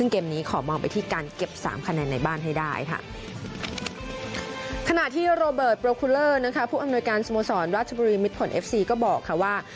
ก็เบิดโปรคูลเลอร์ผู้อำนวยการสมสรรค์ราชบุรีมิดผลเอฟซีก็บอกว่า